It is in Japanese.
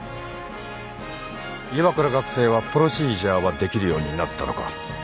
岩倉学生はプロシージャーはできるようになったのか？